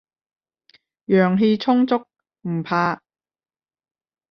陽氣充足，唔怕